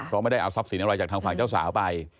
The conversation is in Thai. เพราะไม่ได้เอาทรัพย์สินอะไรจากทางฝั่งเจ้าสาวไป